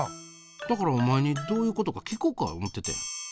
だからお前にどういうことか聞こか思っててん。